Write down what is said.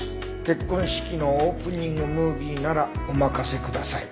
「結婚式のオープニングムービーならお任せください」